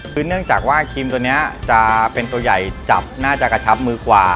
คือเนื่องจากว่าครีมตัวนี้จะเป็นตัวใหญ่จับน่าจะกระชับมือกว่า